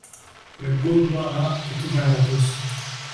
Le Gurdwara est ouvert à tous.